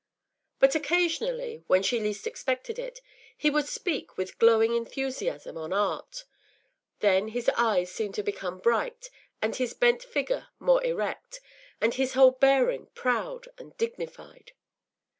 But occasionally, when she least expected it, he would speak with glowing enthusiasm on art; then his eyes seemed to become bright, and his bent figure more erect, and his whole bearing proud and dignified.